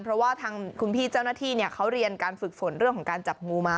เพราะว่าทางคุณพี่เจ้าหน้าที่เขาเรียนการฝึกฝนเรื่องของการจับงูมา